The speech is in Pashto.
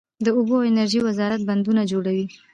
د اوبو او انرژۍ وزارت بندونه جوړوي؟